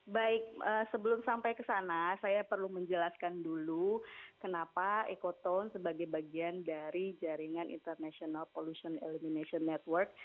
baik sebelum sampai ke sana saya perlu menjelaskan dulu kenapa ecotone sebagai bagian dari jaringan international polution elimination network